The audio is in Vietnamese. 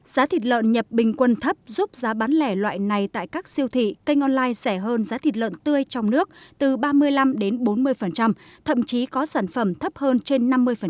giá thịt lợn nhập bình quân thấp giúp giá bán lẻ loại này tại các siêu thị kênh online rẻ hơn giá thịt lợn tươi trong nước từ ba mươi năm đến bốn mươi thậm chí có sản phẩm thấp hơn trên năm mươi